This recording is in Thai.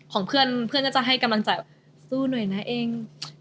ของเพื่อนเพื่อนก็จะให้กำลังใจว่าสู้หน่อยนะเอง